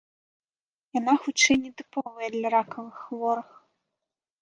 Яна хутчэй не тыповая для ракавых хворых.